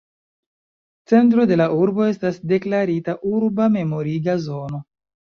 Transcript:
Centro de la urbo estas deklarita urba memoriga zono.